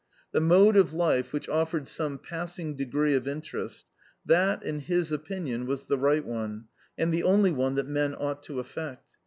The mode of life which offered some passing degree of interest that, in his opinion, was the right one and the only one that men ought to affect.